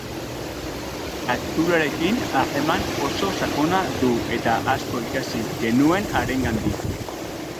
Naturarekin harreman oso sakona du, eta asko ikasi genuen harengandik.